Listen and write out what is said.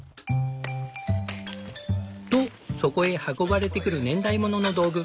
とそこへ運ばれてくる年代物の道具。